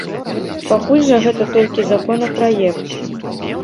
Пакуль жа, гэта толькі законапраект.